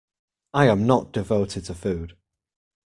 I am not devoted to food!